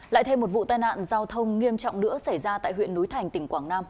lại thêm một vụ tai nạn giao thông nghiêm trọng nữa xảy ra tại huyện núi thành tỉnh quảng nam